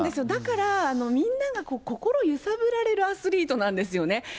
だから、みんなが心揺さぶられるアスリートなんですよね。